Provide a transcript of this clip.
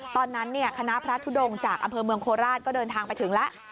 ตอนนั้นคณะพระทุดงจากอำเภอเมืองโคราชก็เดินทางไปถึงแล้ว